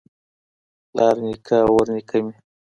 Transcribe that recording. پلار نیکه او ورنیکه مي